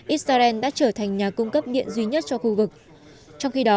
israel đã trở thành nhà cung cấp điện duy nhất cho khu vực trong khi đó